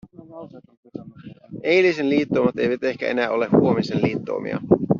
Eilisen liittoumat eivät ehkä enää ole huomisen liittoumia.